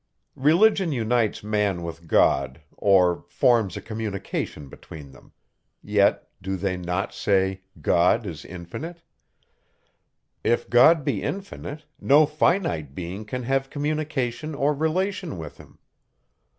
Religion unites man with God, or forms a communication between them; yet do they not say, God is infinite? If God be infinite, no finite being can have communication or relation with him.